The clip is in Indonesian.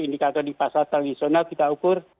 indikator di pasar tradisional kita ukur